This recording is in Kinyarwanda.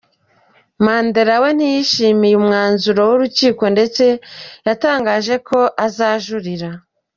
Mandla we ntiyishimiye umwanzuro w’urukiko ndetse yatangaje ko azajurira.